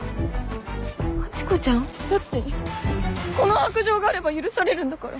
ハチ子ちゃん？だってこの白杖があれば許されるんだから。